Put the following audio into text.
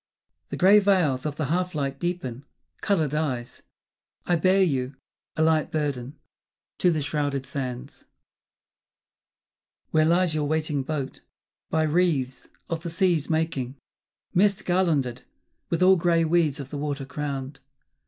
The grey veils of the half light deepen; colour dies. I bear you, a light burden, to the shrouded sands, Where lies your waiting boat, by wreaths of the sea's making Mist garlanded, with all grey weeds of the water crowned.